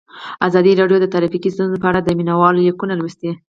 ازادي راډیو د ټرافیکي ستونزې په اړه د مینه والو لیکونه لوستي.